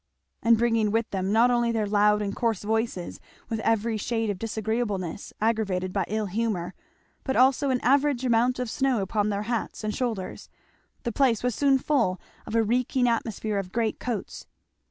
And bringing with them not only their loud and coarse voices with every shade of disagreeableness aggravated by ill humour, but also an average amount of snow upon their hats and shoulders, the place was soon full of a reeking atmosphere of great coats.